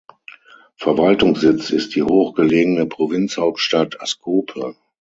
Verwaltungssitz ist die hoch gelegene Provinzhauptstadt Ascope.